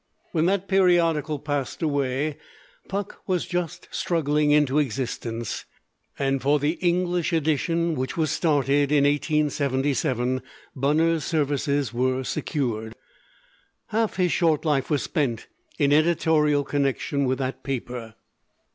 When that periodical passed away, Puck was just struggling into existence, and for the English edition, which was started in 1877, Bunner's services were secured. Half of his short life was spent in editorial connection with that paper.